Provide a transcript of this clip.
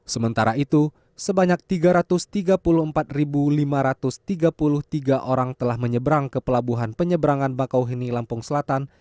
sementara itu sebanyak tiga ratus tiga puluh empat lima ratus tiga puluh tiga orang telah menyeberang ke pelabuhan penyeberangan bakauheni lampung selatan